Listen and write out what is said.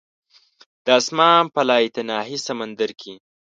د اسمان په لایتناهي سمندر کې